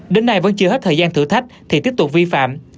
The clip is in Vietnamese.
đến nay vẫn chưa hết thời gian thử thách thì tiếp tục vi phạm